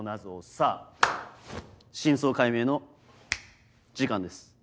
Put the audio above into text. さぁ真相解明の時間です。